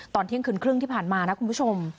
ตอนเที่ยงคืนครึ่งที่ผ่านมานะคุณผู้ชม